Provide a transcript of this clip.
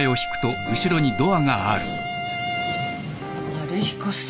春彦さん。